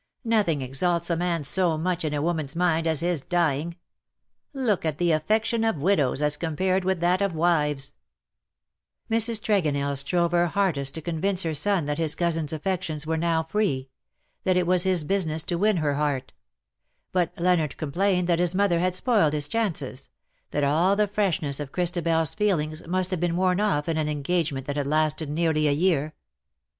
Nothing exalts a man so much in a woman's mind as his dying. Look at the affection of widows as compared with that of wives/^ Mrs. Tregonell strove her hardest to convince her son that his cousin^s affections were now free — that it was his business to win her heart : but Leonard complained that his mother had spoiled his chances — that all the freshness of Christabcrs feelings must have been worn off in an engagement that had lasted nearly a year.